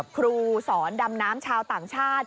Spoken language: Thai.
ครูสอนดำน้ำชาวต่างชาติ